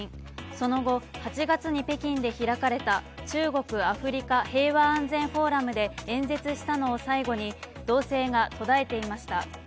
その後８月に北京で開かれた中国アフリカ平和安全フォーラムで演説したのを最後に動静が途絶えていました。